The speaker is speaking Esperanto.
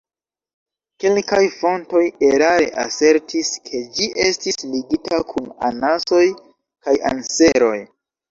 Kelkaj fontoj erare asertis, ke ĝi estis ligita kun anasoj kaj anseroj.